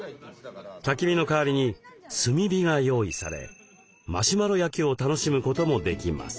たき火の代わりに炭火が用意されマシュマロ焼きを楽しむこともできます。